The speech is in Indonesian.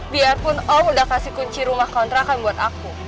biarpun oh udah kasih kunci rumah kontrakan buat aku